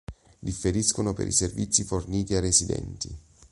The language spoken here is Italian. Differiscono per i servizi forniti ai residenti.